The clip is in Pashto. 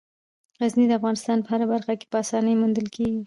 غزني د افغانستان په هره برخه کې په اسانۍ موندل کېږي.